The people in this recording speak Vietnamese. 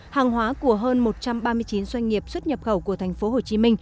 hàng hóa của hơn một trăm ba mươi chín doanh nghiệp xuất nhập khẩu của tp hcm